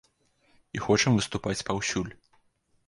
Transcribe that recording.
І хочам выступаць паўсюль!